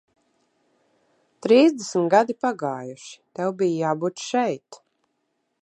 Trīsdesmit gadi pagājuši, tev bija jābūt šeit.